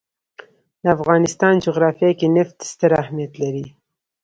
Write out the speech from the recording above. د افغانستان جغرافیه کې نفت ستر اهمیت لري.